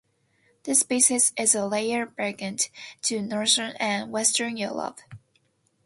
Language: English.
This species is a rare vagrant to northern and western Europe.